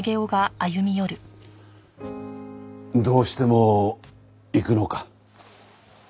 どうしても行くのか？